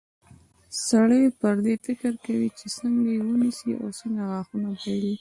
سړی پر دې فکر کوي چې څنګه یې ونیسي او غاښونه نه بایلي.